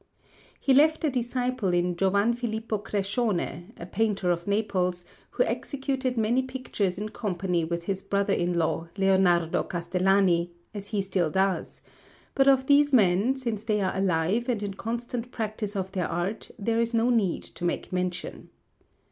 He left a disciple in Giovan Filippo Crescione, a painter of Naples, who executed many pictures in company with his brother in law, Leonardo Castellani, as he still does; but of these men, since they are alive and in constant practice of their art, there is no need to make mention.